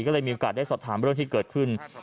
ก็เลยมีโอกาสได้สอบถามเรื่องที่เกิดขึ้น